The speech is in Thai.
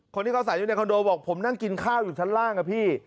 คนที่เขาใส่อยู่ในคอนโดบอกผมนั่งกินข้าวอยู่ชั้นล่างอะพี่